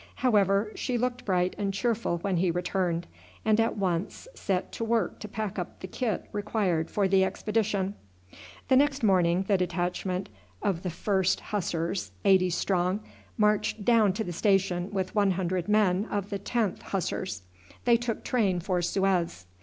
However, she looked bright and cheerful when he returned, and at once set to work to pack up the kit required for the expedition. The next morning the detachment of the 1st Hussars, eighty strong, marched down to the station with one hundred men of the 10th Hussars. They took train for Suez.